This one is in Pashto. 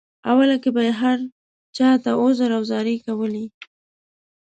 اوله کې به یې هر چاته عذر او زارۍ کولې.